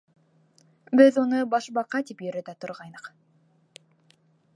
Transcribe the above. Беҙ уны Башбаҡа тип йөрөтә торғайныҡ.